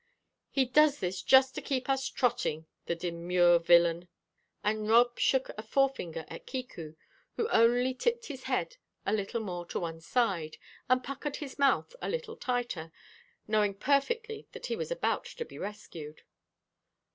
He does this just to keep us trotting, the demure villain!" And Rob shook a forefinger at Kiku, who only tipped his head a little more to one side, and puckered his mouth a little tighter, knowing perfectly that he was about to be rescued.